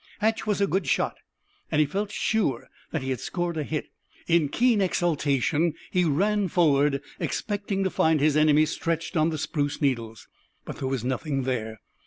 Hatch was a good shot, and he felt sure that he had scored a hit. In keen exultation he ran forward, expecting to find his enemy stretched on the spruce needles. But there was nothing there.